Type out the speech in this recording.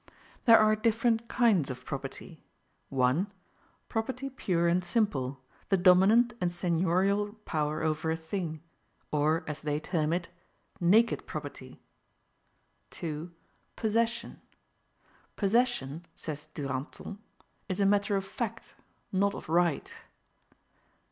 There are different kinds of property: 1. Property pure and simple, the dominant and seigniorial power over a thing; or, as they term it, NAKED PROPERTY. 2. POSSESSION. "Possession," says Duranton, "is a matter of fact, not of right."